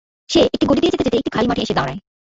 সে একটি গলি দিয়ে যেতে যেতে একটি খালি মাঠে এসে দাঁড়ায়।